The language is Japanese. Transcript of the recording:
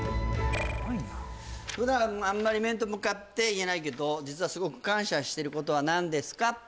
普段あんまり面と向かって言えないけど実はすごく感謝してることは何ですか？